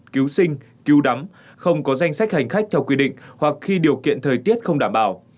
cứu sinh cứu đắm không có danh sách hành khách theo quy định hoặc khi điều kiện thời tiết không đảm bảo